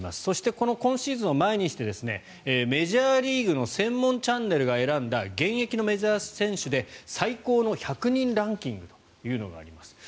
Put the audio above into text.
そして今シーズンを前にしてメジャーリーグの専門チャンネルが選んだ現役のメジャー選手で最高の１００人ランキングというのがあります。